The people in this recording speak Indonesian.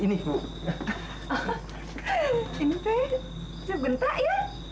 ini teh cepgenta ya